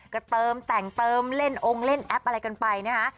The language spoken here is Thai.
ก็เติมแต่งเติมเล่นองค์เล่นแอปอะไรกันไปนะคะ